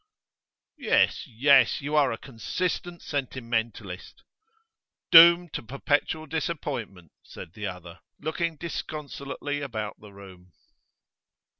'Yes, yes. You are a consistent sentimentalist.' 'Doomed to perpetual disappointment,' said the other, looking disconsolately about the room.